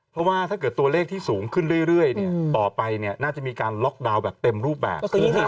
เพราะว่าถ้าเกิดตัวเลขที่สูงขึ้นเรื่อยต่อไปน่าจะมีการล็อกดาวน์แบบเต็มรูปแบบ